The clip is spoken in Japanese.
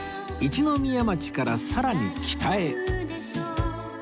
一宮町からさらに北へ